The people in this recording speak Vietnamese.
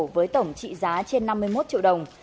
với tổng trị giá trên năm mươi một triệu đồng